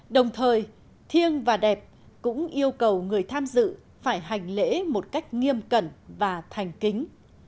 đồng thời thiêng và đẹp cũng yêu cầu người tham dự phải hành lễ một cách nghiêm cẩn và thành kính